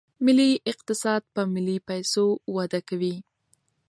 ملي اقتصاد په ملي پیسو وده کوي.